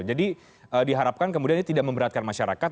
jadi diharapkan kemudian ini tidak memberatkan masyarakat